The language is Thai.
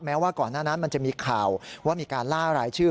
ว่าก่อนหน้านั้นมันจะมีข่าวว่ามีการล่ารายชื่อ